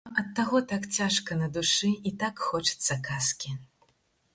Магчыма, ад таго так цяжка на душы і так хочацца казкі.